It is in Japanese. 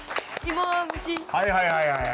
はいはいはいはい。